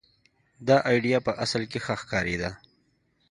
دا اېډیا په اصل کې ښه ښکارېده.